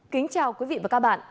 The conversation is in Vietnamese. kính chào quý vị và các bạn